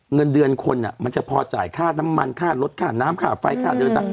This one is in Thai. เงินเดือนคนจะพอจ่ายค่าน้ำมันรถค่าน้ำมากับใต้ไฟ